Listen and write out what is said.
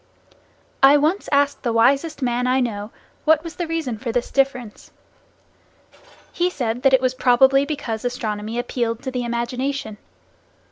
I once asked the wisest man I know, what was the reason for this difference. He said that it was probably because astronomy appealed to the imagination.